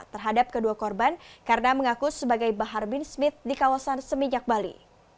terhadap kedua korban karena mengaku sebagai bahar bin smith di kawasan seminyak bali